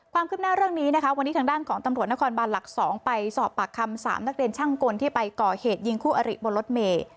ความคืบหน้าเรื่องนี้นะคะวันนี้ทางด้านของตำรวจนครบานหลัก๒ไปสอบปากคำ๓นักเรียนช่างกลที่ไปก่อเหตุยิงคู่อริบนรถเมย์